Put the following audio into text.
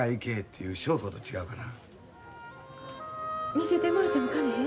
見せてもろてもかめへん？